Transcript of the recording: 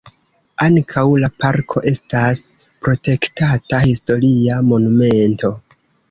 Ankaŭ la parko estas protektata historia monumento.